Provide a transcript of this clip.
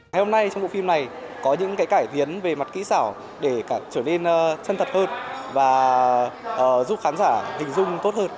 hôm nay trong bộ phim này có những cái cải thiến về mặt kỹ xảo để trở nên chân thật hơn và giúp khán giả hình dung tốt hơn